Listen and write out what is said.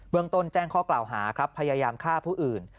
เมืองต้นแจ้งข้อกล่าวหาครับพยายามฆ่าผู้อื่น